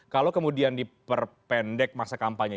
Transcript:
kalau kemudian diperpendek masa kampanye